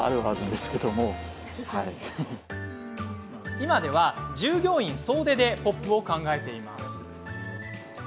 今では、従業員総出でＰＯＰを考えています。